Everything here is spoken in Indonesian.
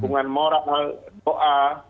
dukungan moral doa